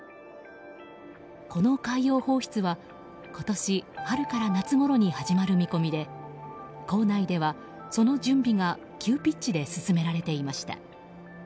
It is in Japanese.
この海洋放出は、今年春から夏ごろに始まる見込みで構内ではその準備が急ピッチで進められていました。